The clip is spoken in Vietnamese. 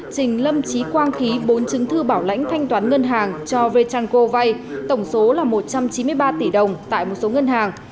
trình lâm trí quang ký bốn chứng thư bảo lãnh thanh toán ngân hàng cho vechangco vay tổng số là một trăm chín mươi ba tỷ đồng tại một số ngân hàng